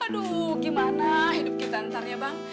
aduh gimana hidup kita ntar ya bang